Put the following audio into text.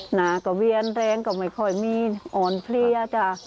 หน้าก็เวียนแรงก็ไม่ค่อยมีอ่อนเพลียจ้ะ